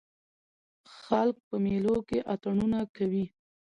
خلک په مېلو کښي اتڼونه کوي.